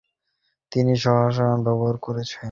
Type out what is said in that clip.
তিনি শাহনামায় তার লেখক নাম ফেরদৌসী ব্যবহার করেছেন।